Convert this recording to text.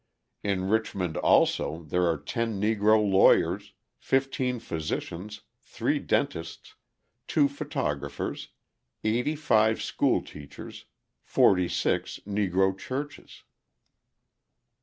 In Richmond also, there are ten Negro lawyers, fifteen physicians, three dentists, two photographers, eighty five school teachers, forty six Negro churches.